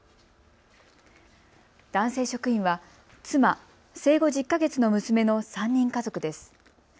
男性職員は妻、生後１０か月の娘の３人家族です。